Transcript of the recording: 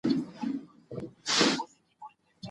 دا اسناد باید په پښتو کي چمتو سي.